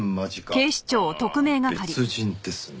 ああ別人ですね。